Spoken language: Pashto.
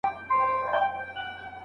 هویت په ټولنه کې جوړېږي.